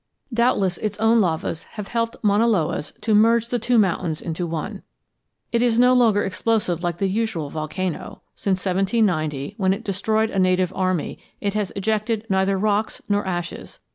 Doubtless its own lavas have helped Mauna Loa's to merge the two mountains into one. It is no longer explosive like the usual volcano; since 1790, when it destroyed a native army, it has ejected neither rocks nor ashes.